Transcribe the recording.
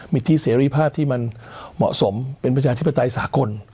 ที่เสรีภาพที่มันเหมาะสมเป็นประชาธิปไตยสากล